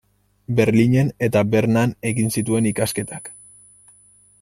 Berlinen eta Bernan egin zituen ikasketak.